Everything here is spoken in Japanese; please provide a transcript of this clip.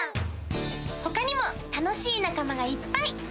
ほかにもたのしいなかまがいっぱい！